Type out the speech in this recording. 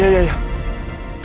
tahan ini gak cukup